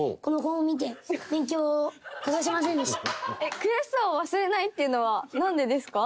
「悔しさを忘れない」っていうのはなんでですか？